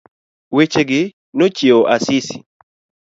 Wechegi nochiewo Asisi.